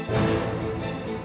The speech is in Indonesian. lo sudah nunggu